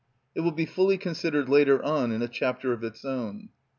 It will be fully considered later on in a chapter of its own.